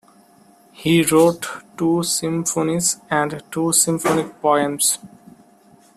He wrote two symphonies and two symphonic poems.